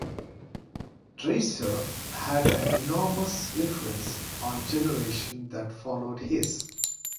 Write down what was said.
Dreiser had an enormous influence on the generation that followed his.